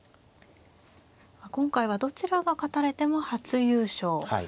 今回はどちらが勝たれても初優勝。